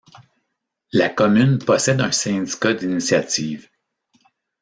La commune possède un syndicat d'initiative.